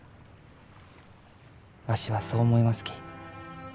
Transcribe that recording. わしはそう思いますき。